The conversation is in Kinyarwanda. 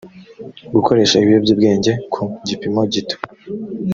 gukoresha ibiyobyabwenge ku gipimo gito